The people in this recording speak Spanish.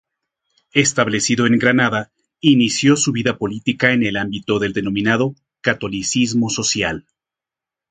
Establecido en Granada, inició su vida política en el ámbito del denominado catolicismo social.